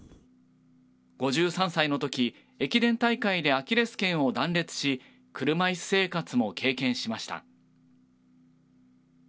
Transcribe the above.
５３歳のとき駅伝大会でアキレスけんを断裂し、車いす生活も経験しました。